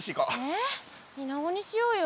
えイナゴにしようよ。